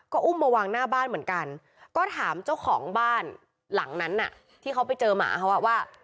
ก็อุ้มมาวางหน้าบ้านเหมือนกันก็ถามเจ้าของบ้านหลังนั้นที่เขาไปเจอหมาเขาอ่ะว่า